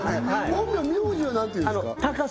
本名名字は何ていうんですか？